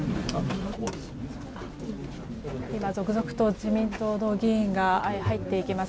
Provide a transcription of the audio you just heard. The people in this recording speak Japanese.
今、続々と自民党の議員が入っていきます。